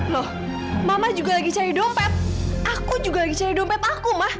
loh mama juga lagi cari dompet aku juga lagi cari dompet aku mah